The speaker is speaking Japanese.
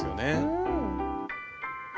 うん。